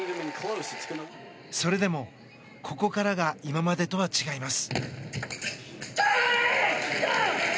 それでもここからが今までとは違います。